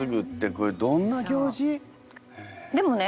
これどんな行事？でもね